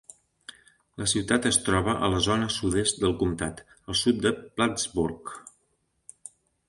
La ciutat es troba a la zona sud-est del comtat, al sud de Plattsburgh.